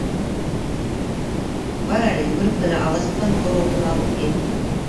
Бар әле йүгереп кенә аласыҡтан ҡоро утын алып ин.